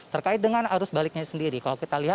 terkait dengan arus baliknya sendiri